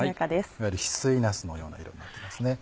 いわゆるひすいなすのような色になってますね。